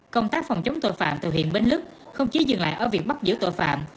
công tác phòng chống tội phạm từ huyện bến lức không chỉ dừng lại ở việc bắt giữ tội phạm